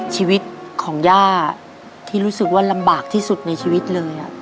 ชีวิตของย่าที่รู้สึกว่าลำบากที่สุดในชีวิตเลย